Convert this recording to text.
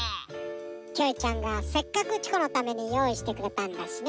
キョエちゃんがせっかくチコのためによういしてくれたんだしね。